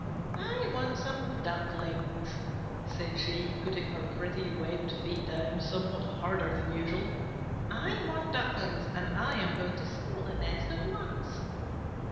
"I want some Ducklings," said she, putting her pretty webbed feet down somewhat harder than usual. "I want Ducklings, and I am going to steal a nest at once."